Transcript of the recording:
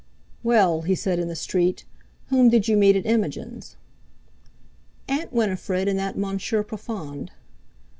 "Well," he said in the street, "whom did you meet at Imogen's?" "Aunt Winifred, and that Monsieur Profond."